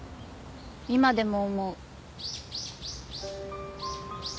今でも思う。